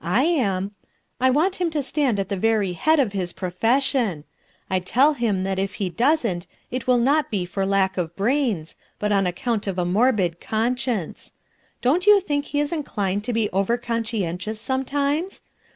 I am. I want him to stand at the very head of his profession. I tell him that if he doesn't, it will not be for lack of brains, but on account of a morbid conscience. Don't you think lie is inclined to be over conscientious, sometimes?